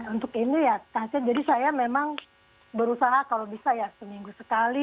untuk ini ya kaset jadi saya memang berusaha kalau bisa ya seminggu sekali